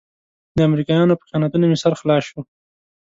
د امريکايانو په خیانتونو مې سر خلاص شو.